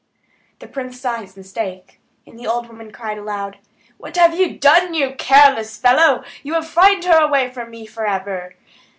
The prince saw his mistake, and the old woman cried aloud: "What have you done, you careless fellow! you have frightened her away from me for ever.